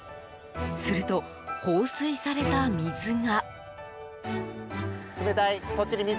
すると、放水された水が。